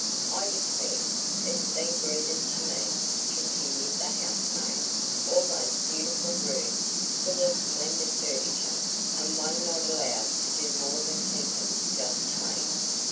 "I declare, it's been grievous to me," continued the housemaid, "all those beautiful rooms, full of splendid furniture, and one not allowed to do more than keep 'em just clean.